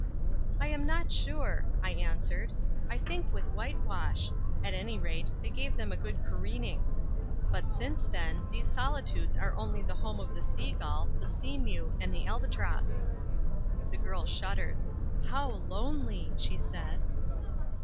"I am not sure," I answered. "I think with white wash. At any rate, they gave them a good careening. But since then these solitudes are only the home of the sea gull, the sea mew, and the albatross." The girl shuddered. "How lonely!" she said.